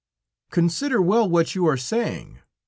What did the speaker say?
"Consider well what you are saying.